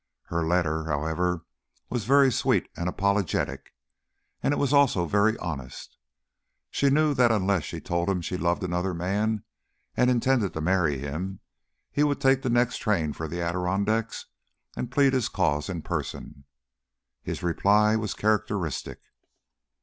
Her letter, however, was very sweet and apologetic, and it was also very honest. She knew that unless she told him she loved another man and intended to marry him, he would take the next train for the Adirondacks and plead his cause in person. His reply was characteristic.